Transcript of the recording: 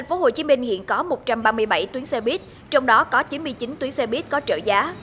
tp hcm hiện có một trăm ba mươi bảy tuyến xe buýt trong đó có chín mươi chín tuyến xe buýt có trợ giá